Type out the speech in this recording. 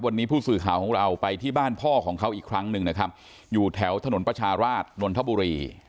วันนี้ผู้สื่อข่าวของเราไปที่บ้านพ่อของเขาอีกครั้งหนึ่งนะครับอยู่แถวถนนประชาราชนนทบุรี